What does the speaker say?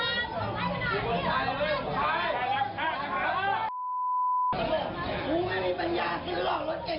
ยังลูกแบบไหน